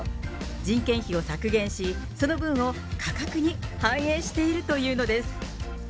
人件費を削減し、その分を価格に反映しているというのです。